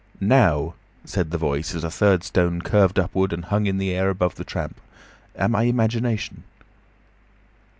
"Now," said the Voice, as a third stone curved upward and hung in the air above the tramp. "Am I imagination?"